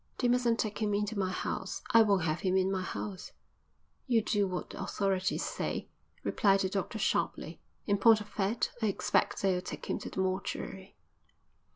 "They mustn't take him into my house. I won't have him in my house." "You'll do what the authorities say," replied the doctor sharply. "In point of fact I expect they'll take him to the mortuary."